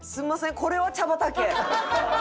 これは茶畑。